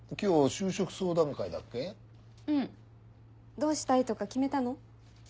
どうしたいとか決めたの？